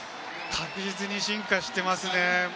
確実に進化していますね。